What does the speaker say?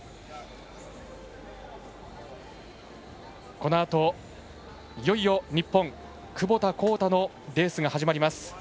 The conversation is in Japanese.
このあと、いよいよ日本窪田幸太のレースが始まります。